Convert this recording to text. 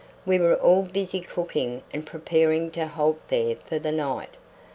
We were all busy cooking and preparing to halt there for the night.